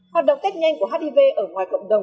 hoạt động test nhanh của hiv ở ngoài cộng đồng